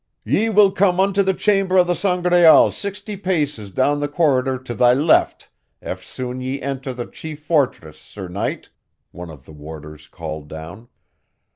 "Ye will come unto the chamber of the Sangraal sixty paces down the corridor to thy left eftsoon ye enter the chief fortress, sir knight," one of the warders called down.